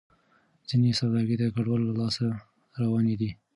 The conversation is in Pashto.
ځینې سوداګرۍ د کډوالو له لاسه روانې دي.